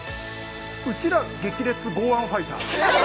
「うちら激烈豪腕ファイター」